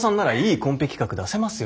コンペ企画出せますよ。